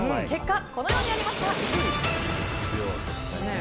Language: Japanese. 結果はこのようになりました。